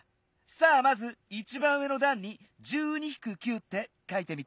さあまずいちばんうえのだんに「１２−９」ってかいてみて。